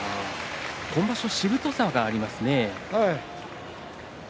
今場所はしぶとさがありますね。